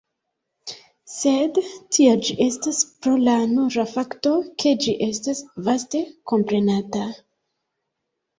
Sed tia ĝi estas pro la nura fakto ke ĝi estas vaste komprenata.